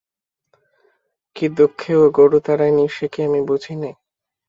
কী দুঃখে ও গোরু তাড়ায় নি সে কি আমি বুঝি নে।